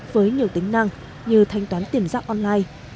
với nhiều tính năng như thanh toán tiền giác online